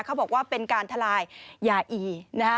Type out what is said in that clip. เขาบอกว่าเป็นการทลายยาอีนะฮะ